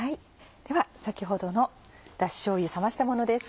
では先ほどのダシしょうゆ冷ましたものです。